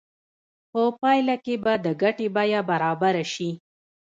په پایله کې به د ګټې بیه برابره شي